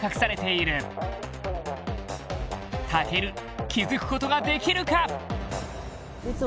健気付くことができるか？